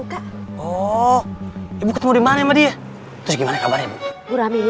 cuma dia tinggalnya tidak di sini